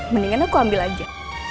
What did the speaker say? mendingan aku ambil aja